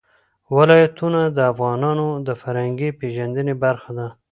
ولایتونه د افغانانو د فرهنګي پیژندنې برخه ده.